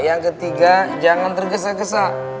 yang ketiga jangan tergesa gesa